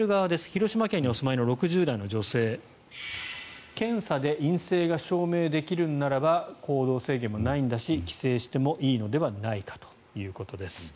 広島県にお住まいの６０代の女性検査で陰性が証明できるならば行動制限もないんだし帰省してもいいのではないかということです。